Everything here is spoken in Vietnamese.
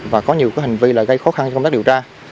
và có nhiều hành vi gây khó khăn cho công tác điều tra